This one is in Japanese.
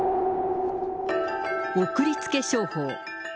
送り付け商法。